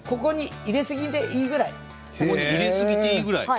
入れすぎていいぐらいですね。